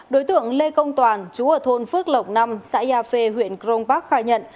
đối tượng lê công toàn chú ở thôn phước lộng năm xã gia phê huyện cron park khai nhận